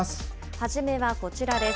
初めはこちらです。